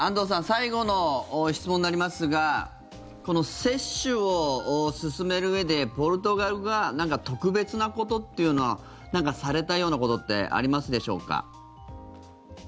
最後の質問になりますがこの接種を進めるうえでポルトガルがなんか特別なことというのはされたようなことってありますでしょうか。